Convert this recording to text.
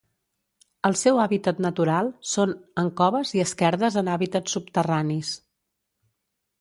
El seu hàbitat natural són en coves i esquerdes en hàbitats subterranis.